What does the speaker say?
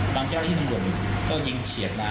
ทางเจ้าหน้าที่ตำรวจก็ยิงเฉียดมา